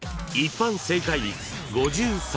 ［一般正解率５３％］